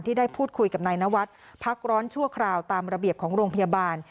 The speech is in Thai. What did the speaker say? ได้พูดคุยกับนายนวัฒน์พักร้อนชั่วคราวตามระเบียบของโรงพยาบาล